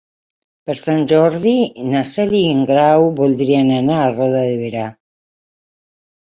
Per Sant Jordi na Cel i en Grau voldrien anar a Roda de Berà.